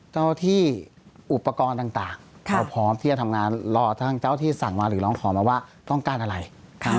เจ้าที่อุปกรณ์ต่างพร้อมที่จะทำงาน